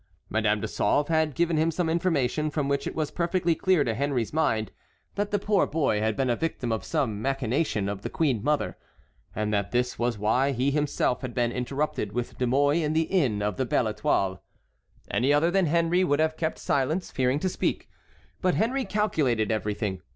Madame de Sauve had given him some information from which it was perfectly clear to Henry's mind that the poor boy had been a victim of some machination of the queen mother, and that this was why he himself had been interrupted with De Mouy in the inn of the Belle Étoile. Any other than Henry would have kept silence, fearing to speak, but Henry calculated everything.